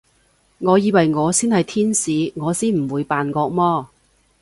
我以為我先係天使，我先唔會扮惡魔